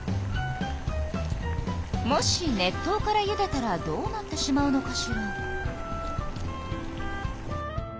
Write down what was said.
もし熱湯からゆでたらどうなってしまうのかしら？